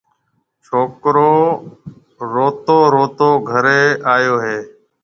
ڇوڪرو روتو روتو گهريَ آئيو هيَ۔